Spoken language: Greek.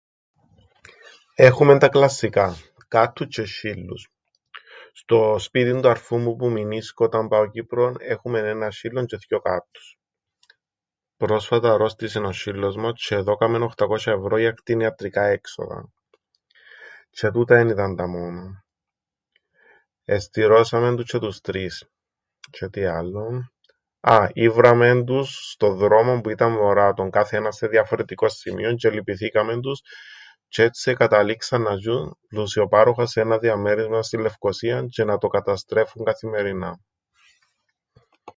Έχουμεν τα κλασσικά, κάττους τζ̆αι σ̆σ̆ύλλους. Στο σπίτιν του αρφού μου που μεινίσκω όταν πάω Κύπρον έχουμεν έναν σ̆σ̆ύλλον τζ̆αι θκυο κάττους. Πρόσφατα αρρώστησεν ο σ̆σ̆ύλλος μας τζ̆αι εδώκαμεν οχτακώσ̆ια ευρώ για κτηνιατρικά έξοδα τζ̆αι τούτα εν ήταν τα μόνα, εστειρώσαμεν τους τζ̆αι τους τρεις τζ̆αι τι άλλον, α ήβραμεν τους στον δρόμον που ήταν μωρά, τον κάθε έναν σε διαφορετικόν σημείον τζ̆αι ελυπηθήκαμεν τους τζ̆αι έτσι εκαταλήξαν να ζ̆ιουν πουσιοπάροχα σε έναν διαμέρισμαν στην Λευκωσίαν τζ̆αι να το καταστρέφουν καθημερινά.